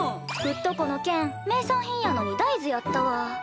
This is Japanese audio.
うっとこの県名産品やのに大豆やったわ。